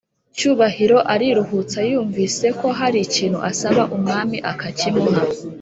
cyubahiro ariruhutsa yumviseko harikintu asaba umwami akakimuha